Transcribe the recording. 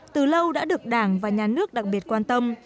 từ lâu đã được đảng và nhà nước đặc biệt quan tâm